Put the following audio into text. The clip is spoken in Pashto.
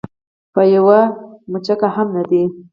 په یوه مچکه هم نه.